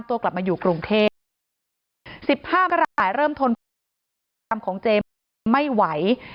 ตัวกลับมาอยู่กรุงเทพ๑๕มกราคมเริ่มทนพฤติกรรมของเจมส์ไม่ไหว